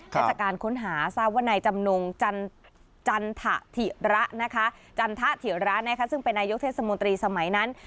และจากการค้นหาทราบว่าในจำนงจันทะเทียระนะคะจันทะเทียระนะคะซึ่งเป็นอายุทธสมตรีสมัยนั้น